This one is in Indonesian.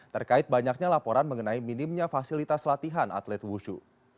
terkait banyaknya laporan mengenai minimnya fasilitas latihan atlet wusu